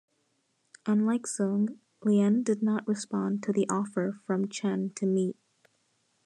Unlike Soong, Lien did not respond to the offer from Chen to meet.